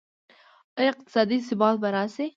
آیا اقتصادي ثبات به راشي؟